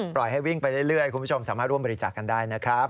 ปล่อยให้วิ่งไปเรื่อยคุณผู้ชมสามารถร่วมบริจาคกันได้นะครับ